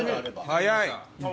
早い！